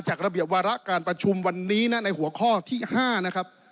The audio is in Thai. ระเบียบวาระการประชุมวันนี้นะในหัวข้อที่๕นะครับ